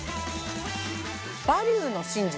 「バリューの真実」